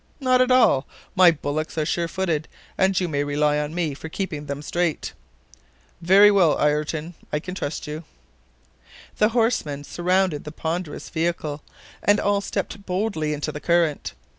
"Not at all. My bullocks are surefooted, and you may rely on me for keeping them straight." "Very well, Ayrton; I can trust you." The horsemen surrounded the ponderous vehicle, and all stepped boldly into the current.